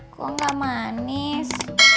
kok gak manis